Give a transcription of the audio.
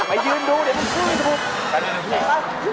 ไปยืนดูเดี๋ยวมึงช่วยดู